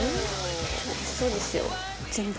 おいしそうですよ全部。